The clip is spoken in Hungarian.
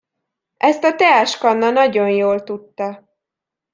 Ezt a teáskanna nagyon jól tudta.